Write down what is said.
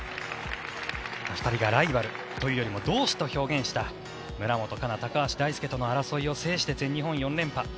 ２人がライバルというよりも同志と表現した村元哉中、高橋大輔との戦いを経て全日本４連覇。